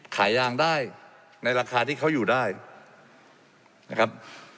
ขายยางได้ในราคาที่เขาอยู่ได้นะครับ